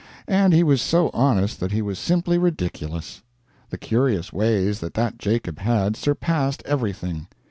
And he was so honest that he was simply ridiculous. The curious ways that that Jacob had, surpassed everything.